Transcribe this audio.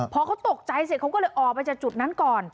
พอเขาตกใจเสร็จเขาก็เลยออกไปจากจุดนั้นก่อน